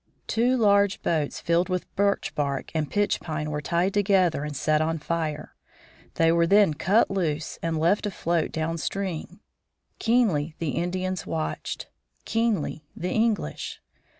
Two large boats filled with birch bark and pitch pine were tied together and set on fire. They were then cut loose and left to float down stream. Keenly the Indians watched; keenly, the English.